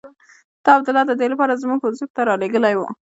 تا عبدالله د دې لپاره زموږ حضور ته رالېږلی وو.